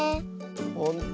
ほんと。